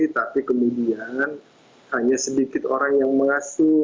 tapi kemudian hanya sedikit orang yang mengasuh